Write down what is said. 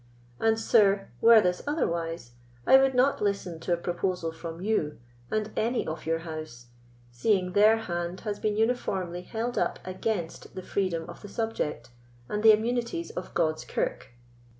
And, sir, were this otherwise, I would not listen to a proposal from you, or any of your house, seeing their hand has been uniformly held up against the freedom of the subject and the immunities of God's kirk.